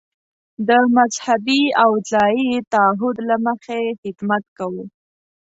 د مذهبي او ځايي تعهد له مخې خدمت کوو.